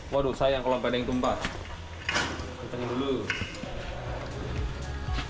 waduh sayang kalau badan yang tumbak